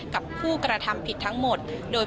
กับผู้กระทำผิดทั้งหมด